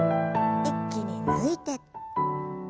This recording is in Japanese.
一気に抜いて。